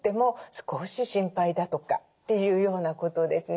少し心配だとかっていうようなことをですね